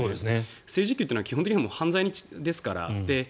不正受給というのは基本的に犯罪ですから。